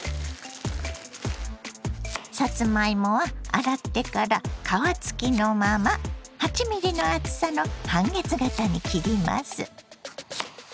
さつまいもは洗ってから皮付きのまま８ｍｍの厚さの半月形に切ります。